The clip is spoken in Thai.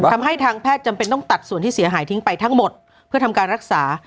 ทำให้ทางแพทย์จำเป็นต้องตัดส่วนที่เสียหายทิ้งไปทั้งหมดเพื่อทำการรักษา